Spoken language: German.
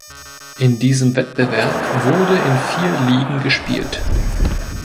In diesem Wettbewerb wurde in vier Ligen gespielt.